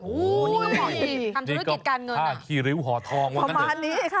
อู้ยทำธุรกิจการเงินอะประมาณนี้ค่ะฮ่าที่ริวหอทองว่างั้นเดียว